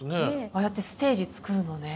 ああやってステージ作るのね。